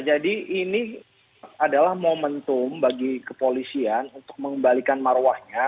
jadi ini adalah momentum bagi kepolisian untuk mengembalikan maruahnya